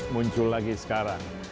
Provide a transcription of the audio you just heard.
muncul lagi sekarang